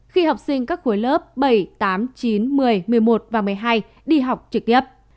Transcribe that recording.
khi học sinh các khối lớp bảy tám chín một mươi một mươi một và một mươi hai đi học trực tiếp